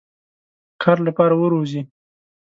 کار لپاره وروزی.